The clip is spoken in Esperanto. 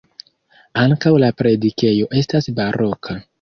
Ankaŭ la predikejo estas baroka.